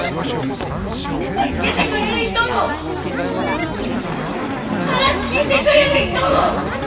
助けてくれる人も話聞いてくれる人も！